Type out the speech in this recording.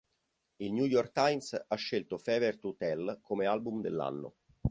Il New York Times ha scelto Fever to Tell come album dell'anno.